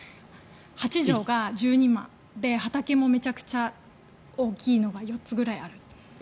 ８畳が１２万畑もめちゃくちゃ大きいのが４つぐらいある。